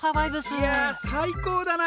いや最高だな！